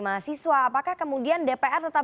mahasiswa apakah kemudian dpr tetap